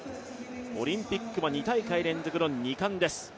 オリンピックは２大会連続の２冠です。